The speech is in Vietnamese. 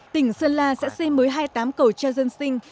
tỉnh sơn la sẽ xây mới hai mươi tám cầu treo dân sinh